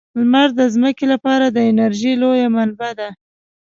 لمر د ځمکې لپاره د انرژۍ لویه منبع ده.